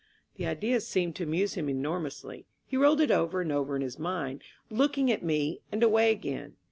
The idea seemed to amuse him enormously. He rolled it over and over in his mind, looking at me and away again.